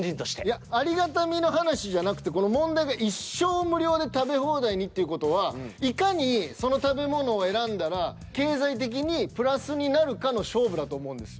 いやありがたみの話じゃなくて問題が一生無料で食べ放題にっていう事はいかにその食べ物を選んだら経済的にプラスになるかの勝負だと思うんです。